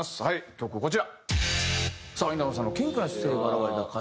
曲こちら。